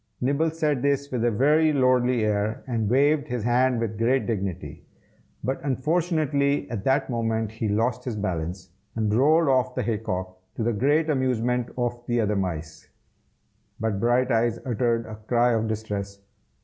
Nibble said this with a very lordly air, and waved his hand with great dignity; but unfortunately at that moment he lost his balance, and rolled off the hay cock, to the great amusement of the other mice. But Brighteyes uttered a cry of distress.